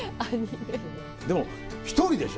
でも１人でしょ？